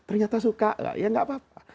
ternyata suka ya tidak apa apa